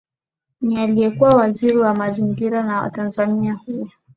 ni aliyekuwa waziri wa mazingira na watanzania huyo